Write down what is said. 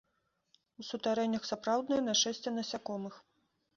У сутарэннях сапраўднае нашэсце насякомых.